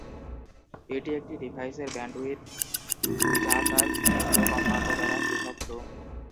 এটি একটি ডিভাইসের ব্যান্ডউইডথ যা তার কেন্দ্রীয় কম্পাঙ্ক দ্বারা বিভক্ত।